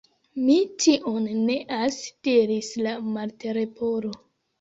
"Mi tion neas," diris la Martleporo.